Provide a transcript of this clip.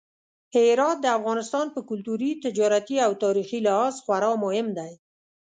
هرات د افغانستان په کلتوري، تجارتي او تاریخي لحاظ خورا مهم دی.